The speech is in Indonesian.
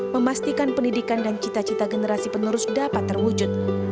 memastikan pendidikan dan cita cita generasi penerus dapat terwujud